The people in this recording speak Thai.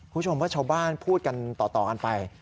คุณผู้ชมว่าชาวบ้านพูดกันต่อกันไป